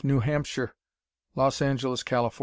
New Hampshire, Los Angeles, Calif.